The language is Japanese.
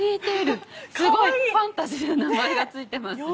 ファンタジーな名前が付いてますね。